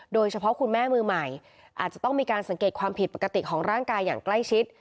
คุณแม่มือใหม่อาจจะต้องมีการสังเกตความผิดปกติของร่างกายอย่างใกล้ชิด